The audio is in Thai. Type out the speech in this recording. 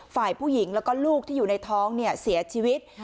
ฝ่ายผู้หญิงแล้วก็ลูกที่อยู่ในท้องเสียชีวิต